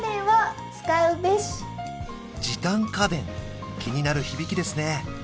時短家電気になる響きですね